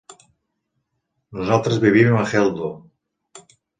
Nosaltres vivim a Geldo.